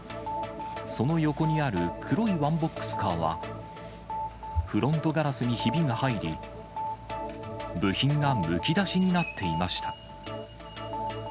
その横にある黒いワンボックスカーは、フロントガラスにひびが入り、部品がむき出しになっていました。